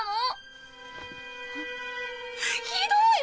ひどい！